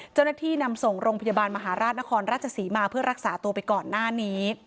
เจ้าหน้าที่นำส่งโรงพยาบาลมหาราชนครราชศรีมาเพื่อรักษาตัวไปก่อนหน้านี้